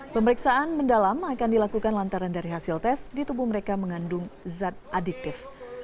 pemeriksaan mendalam akan dilakukan lantaran dari hasil tes di tubuh mereka mengandung zat adiktif